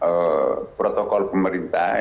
oleh protokol pemerintah